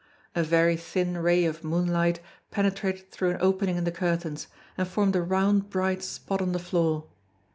A very thin ray of moonlight penetrated through an opening in the curtains, and formed a round bright spot on the floor.